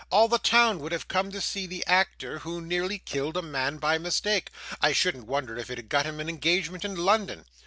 All the town would have come to see the actor who nearly killed a man by mistake; I shouldn't wonder if it had got him an engagement in London.